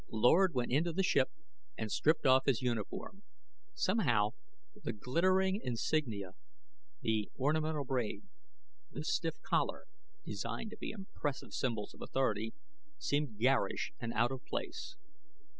Lord went into the ship and stripped off his uniform; somehow the glittering insignia, the ornamental braid, the stiff collar designed to be impressive symbols of authority seemed garish and out of place.